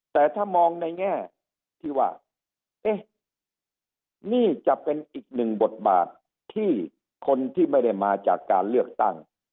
แต่ถ้ามองในแง่ที่ว่าเอ๊ะนี่จะเป็นอีกหนึ่งบทบาทที่คนที่ไม่ได้มาจากการเลือกตั้ง